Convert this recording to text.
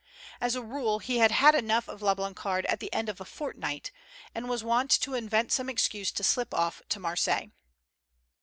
As a rule, he had had enough of La Blancarde at the end of a fortnight, and was wont to invent some excuse to slip off* to Marseilles.